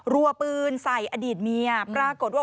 รัวปืนใส่อดีตเมียปรากฏว่า